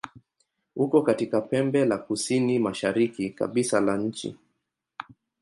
Uko katika pembe la kusini-mashariki kabisa la nchi.